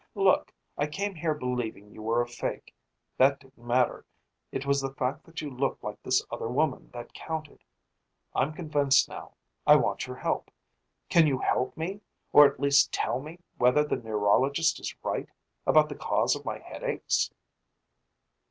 Look, I came here believing you were a fake. That didn't matter it was the fact that you looked like this other woman that counted. I'm convinced now. I want your help. Can you help me, or at least tell me whether the neurologist is right about the cause of my headaches?"